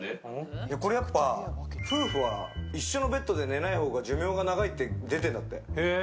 これやっぱ、夫婦は一緒のベッドで寝ない方が寿命が長いって出てんだって。